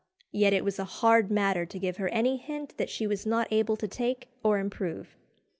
Yet it was a hard matter to give her any hint that she was not able to take or improve."